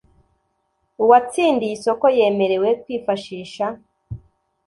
uwatsindiye isoko yemerewe kwifashisha